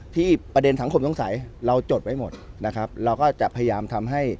ประเด็นสังคมสงสัยเราจดไว้หมดนะครับเราก็จะพยายามทำให้